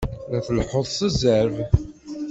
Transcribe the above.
La tleḥḥuḍ s zzerb!